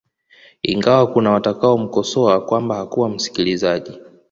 Ingawa kuna watakao mkosoa kwamba hakuwa msikilizaji